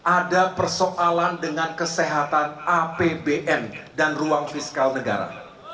ada persoalan dengan kesehatan apbn dan ruang fiskal negara